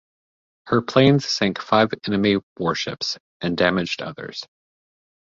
Her planes sank five enemy warships, and damaged others.